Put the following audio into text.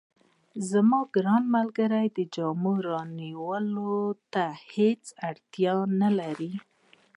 زما ګرانه ملګرې، د جامو رانیولو ته هیڅ اړتیا نه لرې.